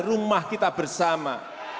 rumah kita bersama